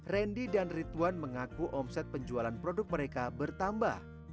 randy dan ridwan mengaku omset penjualan produk mereka bertambah